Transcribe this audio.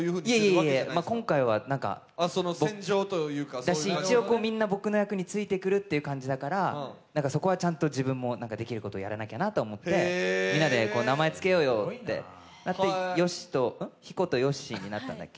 いえいえ、今回はなんか一応、みんな僕の役について行くという感じだったからそこはちゃんと自分もできることやらなきゃなと思って、みんなで名前つけようよってヒコとヨッシーになったんでしたっけ。